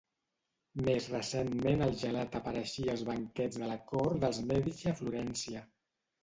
Més recentment el gelat apareixia als banquets de la cort dels Mèdici a Florència.